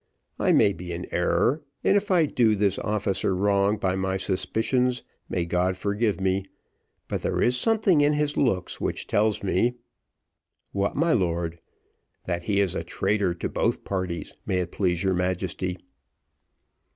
I may be in error, and if I do this officer wrong by my suspicions, may God forgive me, but there is something in his looks which tells me " "What, my lord?" "That he is a traitor to both parties. May it please your Majesty."